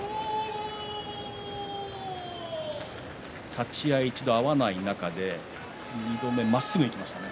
立ち合い、１度合わない中で２度目まっすぐいきましたね。